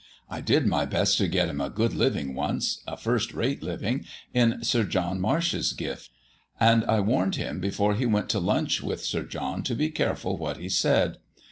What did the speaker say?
I did my best to get him a good living once a first rate living in Sir John Marsh's gift; and I warned him before he went to lunch with Sir John to be careful what he said.